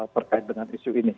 berkait dengan isu ini